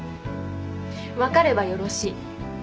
分かればよろしい。